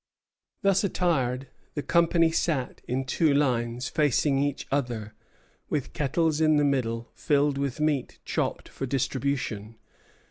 Thus attired, the company sat in two lines facing each other, with kettles in the middle filled with meat chopped for distribution.